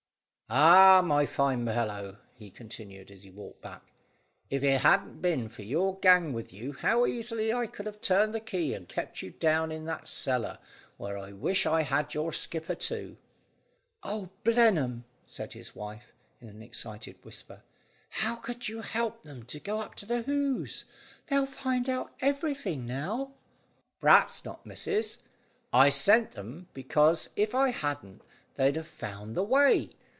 "Ah, my fine fellow," he continued, as he walked back, "if it hadn't been for your gang with you, how easily I could have turned the key and kept you down in that cellar, where I wish I had your skipper too." "Oh, Blenheim!" said his wife, in an excited whisper, "how could you help them to go up to the Hoze? They'll find out everything now." "P'r'aps not, missus. I sent 'em, because if I hadn't they'd have found the way.